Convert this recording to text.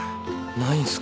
ないんすか？